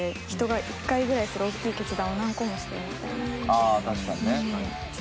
あ確かにね。